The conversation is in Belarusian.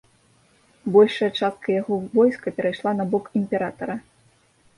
Большая частка яго войска перайшла на бок імператара.